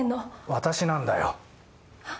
私なんだよ。は？